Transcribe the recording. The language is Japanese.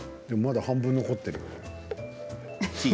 でもまだ半分残っている。